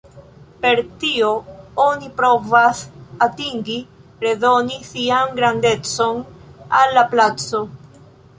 Per tio oni provas atingi redoni 'sian grandecon' al la placo.